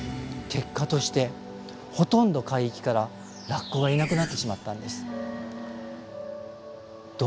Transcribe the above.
結果としてほとんど海域からラッコがいなくなってしまったんです。